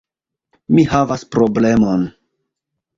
Mi havas problemon.